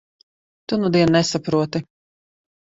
Tu nudien nesaproti.